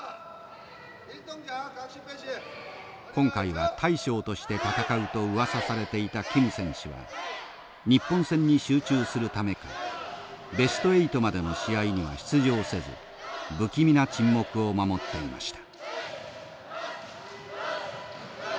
今回は大将として戦うとうわさされていたキム選手は日本戦に集中するためかベスト８までの試合には出場せず不気味な沈黙を守っていました。